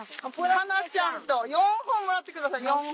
佳奈ちゃんと４本もらってください４本。